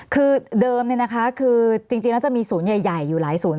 คือเดิมคือจริงแล้วจะมีศูนย์ใหญ่อยู่หลายศูนย์